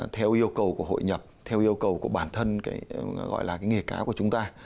theo yêu cầu của hội nhập theo yêu cầu của bản thân cái gọi là cái nghề cá của chúng ta